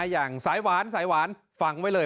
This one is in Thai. อย่างสายหวานสายหวานฟังไว้เลย